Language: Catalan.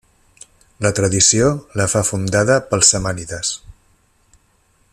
La tradició la fa fundada pels samànides.